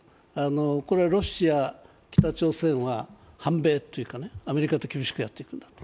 これはロシア、北朝鮮は反米というかアメリカと厳しくやっていくんだと。